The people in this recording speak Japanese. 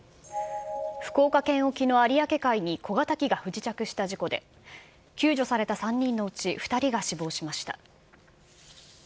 小型機が不時着した事故で、救助された３人のうち２人が死亡しました。